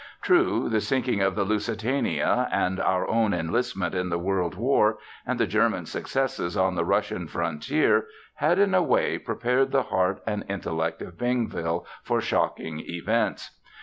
True, the sinking of the Lusitania and our own enlistment in the World War and the German successes on the Russian frontier had, in a way, prepared the heart and intellect of Bingville for shocking events.